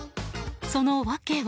その訳は。